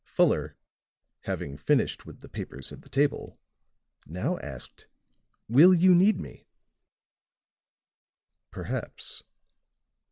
Fuller having finished with the papers at the table now asked: "Will you need me?" "Perhaps."